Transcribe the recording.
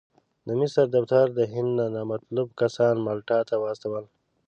د مصر دفتر د هند نامطلوب کسان مالټا ته واستول.